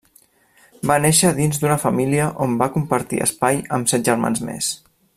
Va néixer dins d'una família on va compartir espai amb set germans més.